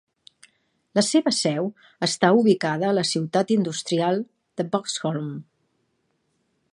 La seva seu està ubicada a la ciutat industrial de Boxholm.